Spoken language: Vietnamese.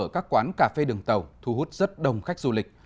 ở các quán cà phê đường tàu thu hút rất đông khách du lịch